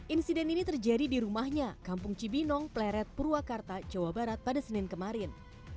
insiden ini terjadi di rumahnya kampung cibinong pleret purwakarta jawa barat pada senin kemarin